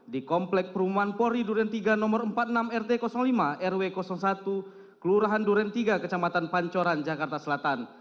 di komplek perumahan pori duren tiga nomor empat puluh enam rt lima rw satu kelurahan duren tiga kecamatan pancoran jakarta selatan